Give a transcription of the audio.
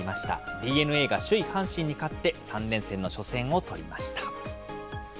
ＤｅＮＡが首位阪神に勝って、３連戦の初戦を取りました。